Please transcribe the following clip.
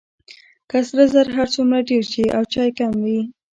که سره زر هر څومره ډیر شي او چای کم وي.